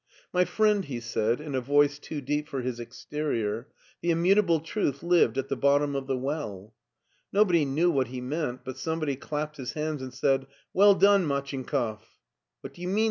My friend," he said, in a voice too deep for his ex r terior, " the immutable truth lived at the bottom of the well." Nobody knew what he meant, but somebody clapped his hands and said, " Well done, Machinkoff." " What do you mean ?